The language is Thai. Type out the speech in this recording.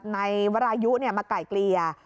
ในวัยอยุมาไกลเกลีย